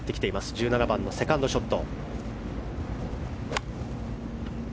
１７番のセカンドショット。